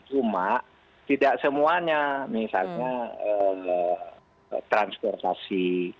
cuma tidak semuanya misalnya transportasi